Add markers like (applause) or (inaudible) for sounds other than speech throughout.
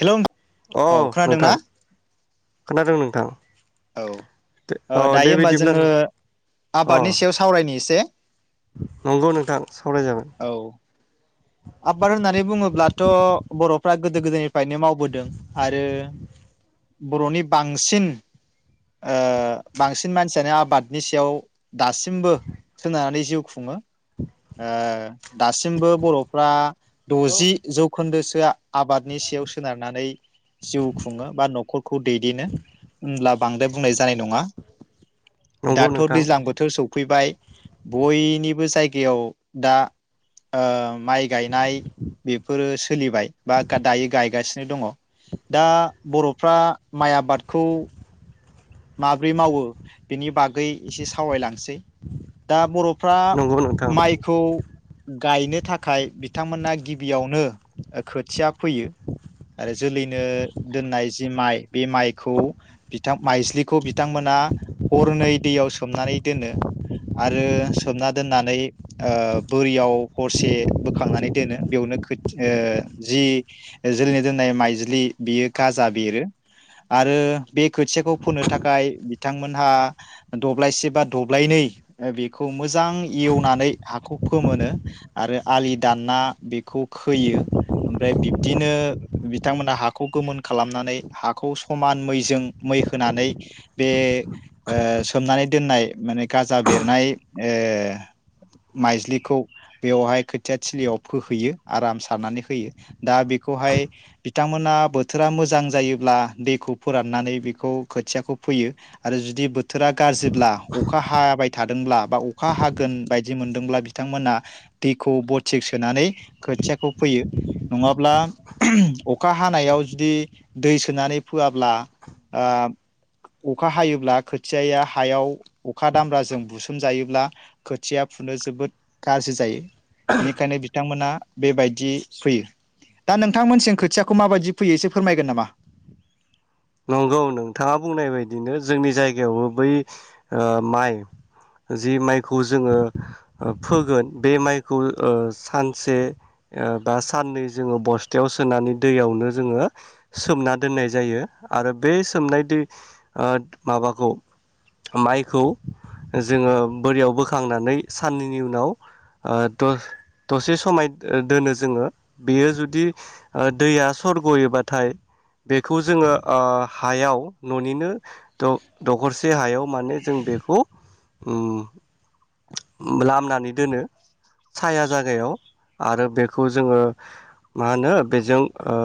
Hello औ नोंथां खोनादों नोंथां औ अ ओ दे दायो होनबा बिदिब्ला जोङो अ आबादनि सायाव सावरायनि एसे नंगौ नोंथां सावराय जागोन औ आबाद होननानै बुंङोब्लाथ' बर'फ्रा गोदो गोदायनिफ्राय बायनो मावबोदों आरो बर'नि बांसिन ओ बांसिन मानसियानो आबादनि सायाव दासिमबो सोनारनानै जिउ खुङो ओ दासिमबो बर' (unintelligible) द'जि जौखोन्दोसो (unintelligible) आबादनि सायाव सोनारनानै जिउ खुंङो बा न'खरखौ दैदेनो होब्ला बांद्राय बुंनाय जानाय नंङा नंगौ दाथ' नोंथां दैज्लां बोथोर स फैबाय बयनिबो जायगायाव दा ओ माइ गायनाय बेफोरो सोलिबाय बा दायो गायगासिनो दंङ दा बर'फ्रा माइ आबादखौ माब्रै मावो बिनि बागै एसे सावरायलांसै दा बर' फ्रा नंगौ नोंथां माइखौ गायनो थाखाय बिथांमोना गिबियावनो खोथिया फैयो आरो जोलैनो दोननाय जि माइ बे माइखौ बिथां माइज्लि बेखौ बिथांमोना हरनै दैयाव सोमनानै दोनो आरो सोमना दोननानै ओ बोरियाव हरसे बोखांनानै दोनो बेयावनो ख़ोथि ओ जि जोलैनि दोननाय माइजलि बेयो गाजा बेरो आरो बे खोथियाखौ फोनो थाखाय बिथांमोनहा दब्लायसे बा दब्लायनै बेखौ मोजां एवनानै हाखौ फोमोनो आरो आलि दानना बेखौ खोयो ओमफ्राय बिब्दिनो बिथांमोनहा हाखौ गोमोन खालामनानै हाखौ समान मैजों मै होनानै बे ओ सोमनानै दोननाय माने गाजा बेरनाय ओ माइज्लिखौ बेवहाय खोथिया थिलियाव फोहैयो आराम सारनानै होयो दा बेखौहाय बिथांमोना बोथोरा मोजां जायोब्ला दैखौ फोराननानै बेखौ (unintelligible) खोथियाखौ फोयो आरो जुदि बोथोरा गाज्रिब्ला अखा हाबाय थादोंब्ला बा अखा हागोन बायदि मोनदोंब्ला बिथांमोनहा दैखौ बथिक सोनानै खोथियाखौ फोयो नंङाब्ला अखा हानायाव जुदि दै सोनानै फोआब्ला ओ अखा हायोब्ला खोथियाया हायाव अखा दामब्राजों बुसोमजायोब्ला खोथिया फुनो जोबोद गाज्रि जायो। बेनिखायनो बिथांमोना बे बायदि फैयो दा नोंथांमोनसि खोथियाखौ माबायदि फैयो एसे फोरमायगोन नामा नंगौ नोंथांङा बुंनाय बायदिनो जोंनि जायगायावबो बै ओ माइ जि माइखौ जोङो ओ फोगोन बे माइखौ ओ सानसे ओ बा साननै जोङो बस्थायाव सोनानै दैयावनो जोङो सोमना दोननाय जायो। आरो बे सोमनाय दै ओ माबाखौ माइखौ जोङो बोरियाव बोखांनानै साननैनि उनाव ओ दस दसे समाय दोनो जोङो बेयो जुदि ओ दैया सरग'योबाथाय बेखौ जोङो ओ हायाव न'निनो दखरसे हायाव माने जों बेखौ उम लामनानै दोनो साया जायगायाव आरो बेखौ जोङो मा होनो बेजों ओ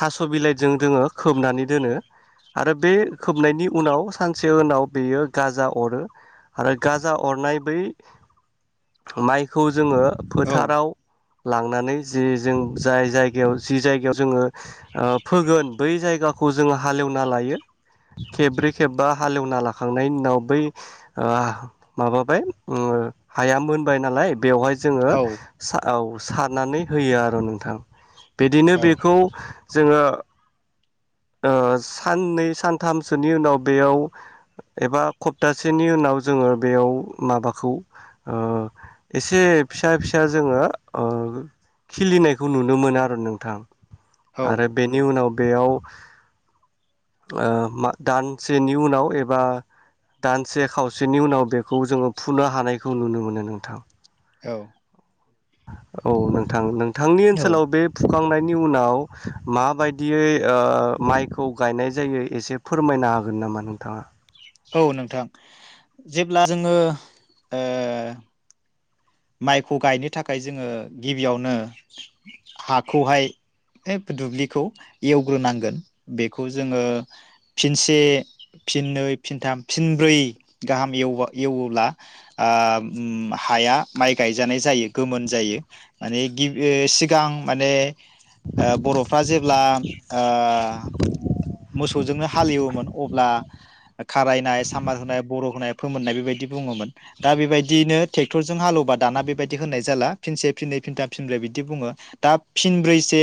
थास' बिलाइजों जोङो खोबनानै दोनो आरो बे खोबनायनि उनाव सानसे उनाव बेयो गाजा अरो आरो गाजा अरनाय बै माइखौ जोङो औ फोथाराव लांनानै जे जों जाय जायगायाव जि जायगायाव जोङो फोगोन बै जायगाखौ जोङो हालेवना लायो खेबब्रै खेबबा हालेवना लाखांनायनि उनाव बै माबाबाय हाया मोनबाय नालाय बेवहाय जोङो औ सारनानै होयो आरो नोंथां बिदिनो बेखौ जोङो साननै सानथामसोनि उनाव बेयाव एबा सप्तासेनि उनाव जोङो बेयाव माबाखौ ओ एसे फिसा फिसा जोङो ओ खिलिनायखौ नुनो मोनो आरो नोंथां । औ आरो बेनि उनाव बेयाव ओ मा-दानसेनि उनाव एबा दानसे खावसेनि उनाव बेखौ जोङो फुनो हानायखौ नुनो मोनो नोंथां । औ औ नोंथां नों थांनि औ ओनसोलाव बे फुखांनायनि उनाव माबायदियै ओ माइखौ गायनाय जायो एसे फोरमायनो हागोन नामा नोंथाङा । औ नोंथां जेब्ला जोङो ओ माइखौ गायनो थाखाय जोङो गिबियावनो हाखौहाय दुब्लिखौ एवग्रोनांगोन बेखौ जोङो फिनसे फिननै फिनथाम फिनब्रै गाहाम एवोब्ला आ ओम हाया माइ गायजानाय जायो गोमोन जायो माने गि सिगां माने ओ बर'फ्रा जे अब्ला ओ मोसौजोंनो हालेवोमोन अब्ला खारायनाय सामार होनाय बर' होनाय फोमोननाय बेबायदि बुङोमोन दा बेबायदिनो ट्रेक्ट'र जों हालेवबा दाना बेबायदि होननाय जाला फिनसे फिननै फिनथाम फिनब्रै बिदि बुङो दा फिनब्रैसे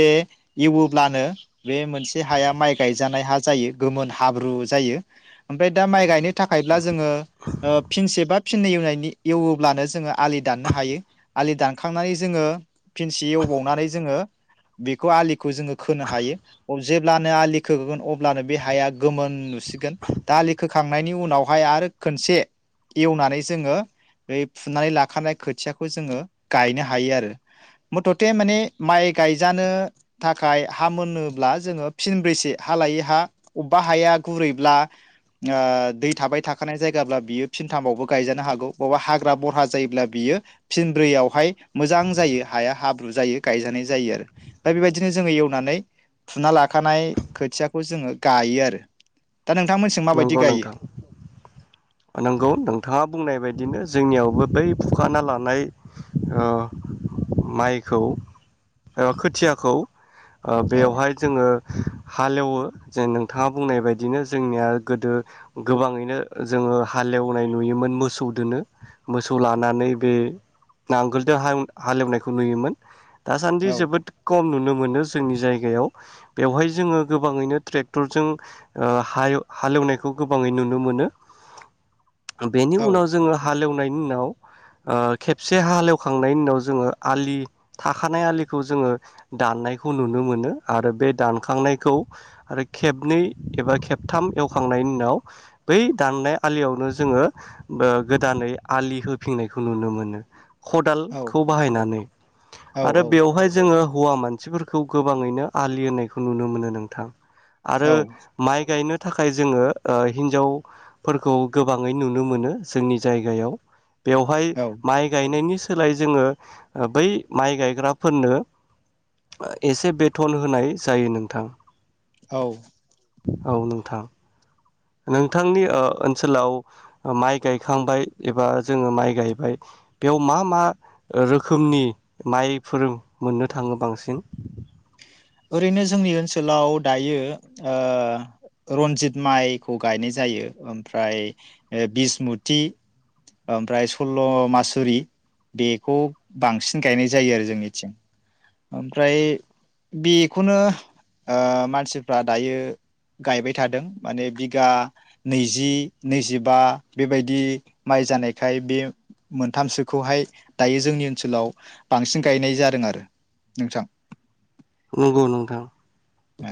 एवब्लानो बे मोनसे हाया माइ गायजानाय हा जायो गोमोन हाब्रु जायो ओमफ्राय दा माइ गायनो थाखायब्ला जोङो ओ फिनसे बा फिननै एवनायनि एवोब्लानो जोङो आलि दाननो हायो आलि दानखांनानै जोङो फिनसि एवबावनानै जोङो बेखौ आलिखौ जोङो खोनो हायो जेब्लानो आलि खोगोन अब्लानो बे हाया गोमोन नुसिगोन दा आलि खोखांनायनि उनावहाय आरो खोनसे एवनानै जोङो बे फुनानै ला खानाय खोथियाखौ जोङो गायनो हायो आरो मथथे माने माइ गायजानो थाखाय हा मोनोब्ला जोङो फिनब्रैसे हा लायै हा अबेबा हाया गुरैब्ला ओ दै थाबाय थाखानाय जायगाब्ला बियो फिनथामावबो गायजानो हागौ बबावेबा हाग्रा बरहा जायोब्ला बियो फिनब्रैयावहाय मोजां जायो हाया हाब्रु जायो गायजानाय जायो आरो दा बेबायदिनो जोङो एवनानै फुना लाखानाय खोथियाखौ जोङो गायो आरो दा नोंथांमोनसि माबायदि नंगौ गायो नोंथां । नंगौ नोंथाङा बुंनाय बायदिनो जोंनियावबो बै फुखाना लानाय ओ माइखौ ओ खोथियाखौ ओ औ बेवहाय जोङो हालेवो जे नोंथाङा बुंनाय बायदिनो जोंनिया गोदो गोबाङैनो जोङो हालेवनाय नुयोमोन मोसौ दोनो मोसौ लानानै बे नांगोलजों हालेवनायखौ नुयोमोन । दासान्दि औ जोबोद खम नुनो मोन मोनो जोंनि जायगायाव बेवहाय जोङो गोबाङैनो ट्रेक्टरजों ओ हालेवनायखौ गोबाङै नुनो मोनो । बेनि औ उनाव जोङो हालेवनाय उनाव ओ खेबसे हाल एवखांनायनि उनाव जोङो आलि थाखानाय आलिखौ जोङो दाननायखौ नुनो मोनो आरो बे दानखांनायखौ आरो खेबनै एबा खेबथाम एवखांनायनि उनाव बै दाननाय आलियावनो जोङो ओ गोदानै आलि होफिननायखौ नुनो मोनो । औ खदालखौ बाहायनानै आरो औ बेवहाय जोङो हौवा मानसिफोरखौ गोबाङैनो आलि होनायखौ नुनो मोनो नोंथां । आरो औ औ माइ गायनो थाखाय जोङो ओ हिनजाव फोरखौ गोबाङै नुनो मोनो जोंनि जायगायाव । बेवहाय औ माइ गायनायनि सो लाय जोङो बै माइ गायग्राफोरनो एसे बेथन होनाय जायो नोंथां । औ औ नोंथां नोंथांनि ओ ओनसोलाव माइ गायखांबाय एबा जोङो माइ गायबाय बेयाव मा मा रोखोमनि माइफोर मोननो थाङो बांसिन? ओरैनो जोंनि ओनसोलाव दायो ओ रन्जित माइखौ गायनाय जायो ओमफ्राय ओ बिसमुथि ओमफ्राय सल्ल' मासुरि बेखौ बांसिन गायनाय जायो आरो जोंनिथिं ओमफ्राय बेखौनो ओ मानसिफ्रा दायो गायबाय थादों माने बिगा नैजि नैजिबा बेबायदि माइ जानायखाय बे मोनथामसोखौहाय दायो जोंनि ओनसोलाव बांसिन गायनाय जादों आरो नोंथां औ औ नोंथां बा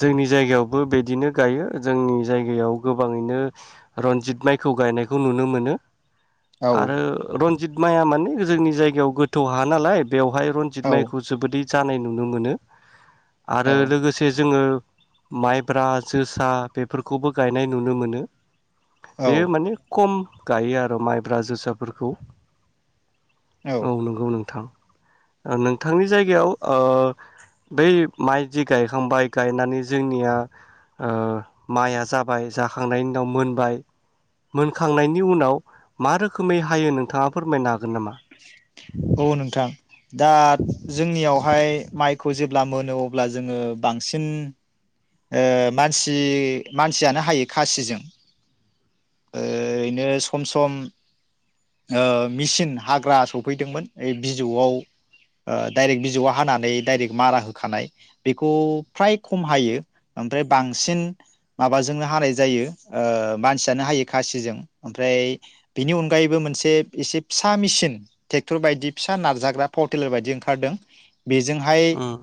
जोंनि जायगायावबो बिदिनो गायो जोंनि जायगायाव गोबाङैनो रन्जित माइखौ गायनायखौ नुनो मोनो औ आरो रन जित माया माने जोंनि जायगायाव गोथौ हा नालाय बेवहाय रनजित औ माइखौ जोबोरै जानाय नुनो मोनो आरो औ लोगोसे जोङो माइब्रा जोसा बेफोरखौबो गायनाय नुनो मोनो औ बेयो माने खम गायो आरो माइब्रा जोसाफोरखौ औ नंगौ नोंथां ओ नोंथांनि जायगायाव ओ बै माइ दि गायखांबाय गायनानै जोंनिया ओ माइया जाबाय जाखांनायनि उनाव मोनबाय मोनखांनायनि उनाव मा रोखोमै हायो नोंथाङा फोरमायनो हा गोन नामा औ नोंथां दा जोंनियावहाय माइखौ जेब्ला मोनो अब्ला जोङो बांसिन ओ मानसि मानसियानो हायो खासिजों ओओरैनो सम सम ओ मेसिन हाग्रा सफैदोंमोन ओ बिजौआव ओ डाइरेक्ट बिजौआव हानानै डाइरेक्ट मारा होखानाय बेखौ फ्राय खम हायो ओमफ्राय बांसिन माबाजोंनो हानाय जायो ओ मानसियानो हायो खासिजों ओमफ्राय बिनि अनगायैबो मोनसे एसे फिसा मेसिन ट्रेक्टर बायदि फिसा नारजाग्रा पाव टेलार बायदि ओंखारदों बेजोंहाय उम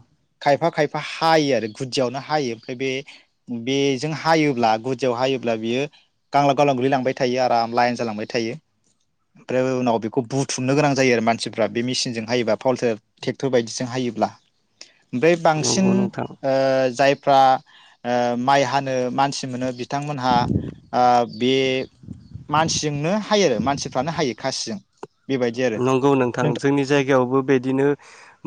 खायफा खायफा हायो आरो गुदियावनो हायो ओमफ्राय बे बेजों हायोब्ला गुदियाव हायोब्ला बियो गांलाब गांलांब गोलैलांबाय थायो अराम लाइन जालांबाय थायो उमफ्राय उनाव बेखौ बुथुमनो गोनां जायो आरो मानसिफ्रा बे मेसिनजों हायोब्ला पाव ट्रेक्टर बायदिजों हायोब्ला उमफ्राय नंगौ बांसिन नोंथां। ओ जाय फ्रा माइ हानो मानसि मोनो बिथांमोनहा बे मानसिजोंनो हायो मानसिफ्रानो हायो खासिजों बेबायदि आरो नंगौ नोंथां जोंनि जायगायावबो बिदिनो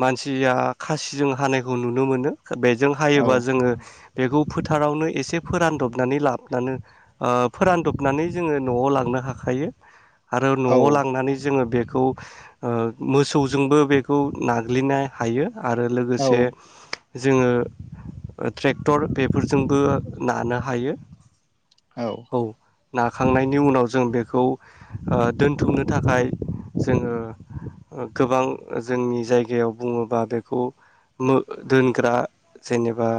मानसिया खासिजों हानायखौ नुनो मोनो बेजों हायोबा औ जोङो बेखौ फोथारावनो एसे फोरानदबनानै लाबनानो फोरानदबनानै जोङो नआव लांनो हाखायो आरो औ नआव लांनानै जोङो बे बेखौ ओ मोसौजोंबो बेखौ नाग्लिनो हायो आरो औ लोगोसे जोङो ट्रेक्टर बेफोरजोंबो नानो हायो औ नाखांनायनि उनाव जों बेखौ ओ दोनथुमनो थाखाय जोङो गोबां जोंनि जायगायाव बुङोबा बेखौ नो-दोनग्रा जेनेबा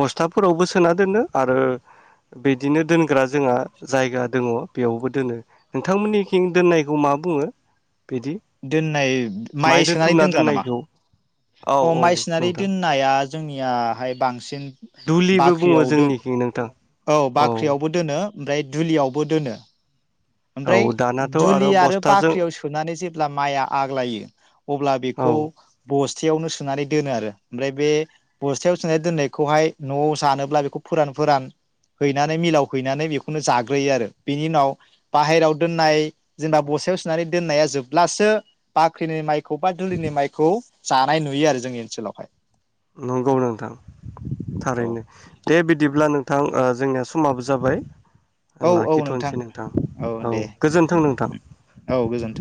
बस्थाफोरावबो सोना दोनो आरो बिदिनो दोनग्रा जोंहा जायगा दङ बेयावबो दोनो। नोंथांमोननिखिं दोननायखौ मा बुङो? बिदि दोननाय माइ सोनानै दोनथुमना दोनग्रा नामा दोननायखौ औ अ औ माइ सोनानै नोंथां दोननाया जोंनियाहाय बांसिन दुलिबो बुङो बाख्रियाव दोन जोंनिखि नोंथां। औ बाख्रियावबो दोनो ओमफ्राय दुलियावबो दोनो औ ओमफ्राय दानाथ' दुलि आरो बस्थाजों बाख्रियाव सोनानै जेब्ला माइया आग्लायो अब्ला औ बेखौ बस बस्थायावनो सोनानै दोनो आरो ओमफ्राय बे बस्थायाव सोनानै दोननायखौहाय न'आव जानोब्ला बेखौ फोरान फोरान हैनानै मिलाव हैनानै बेखौनो जाग्रोयो आरो बेनि उनाव बाहेरायाव दोननाय जेनेबा बसथायाव सोनानै दोननाया जोबब्लासो बाख्रिनि माइखौ बा दुलिनि माइखौ जानाय नुयो आरो जोंनि ओनसोलावहाय। नंगौ नोंथां औ थारैनो दे बिदिब्ला नों थां ओ जोंनिया समाबो जाबाय। औ औ लाखिथ'नोसै नोंथां औ गोजोन्थों नोंथां। औ गोजोन्थों।